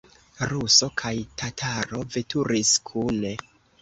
Ruso kaj tataro veturis kune.